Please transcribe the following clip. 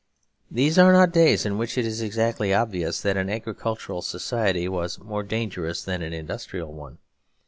These are not days in which it is exactly obvious that an agricultural society was more dangerous than an industrial one.